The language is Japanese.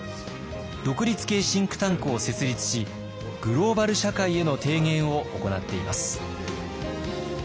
独立系シンクタンクを設立しグローバル社会への提言を行っています。